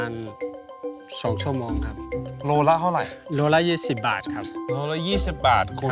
ร้อยกว่าโลกรัมครับ